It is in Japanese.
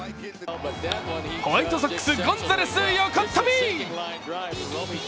ホワイトソックス、ゴンザレス横っ飛び！